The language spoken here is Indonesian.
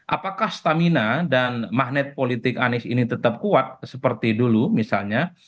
apakah stamina dan magnet politik anies ini tetap kuat seperti dulu misalnya